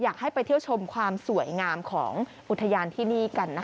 อยากให้ไปเที่ยวชมความสวยงามของอุทยานที่นี่กันนะคะ